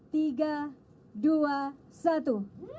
tiga dua satu